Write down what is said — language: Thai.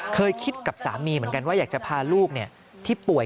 เคยคิดกับสามีเหมือนกันว่าอยากจะพาลูกที่ป่วย